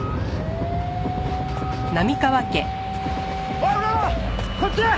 おいこっちや！